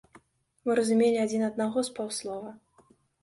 Мы разумелі адзін аднаго з паўслова.